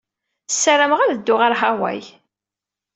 Ssarameɣ ad dduɣ ɣer Hawai.